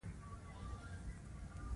ستاسې کار په ډېره بهتره بڼه سرته ورسوي.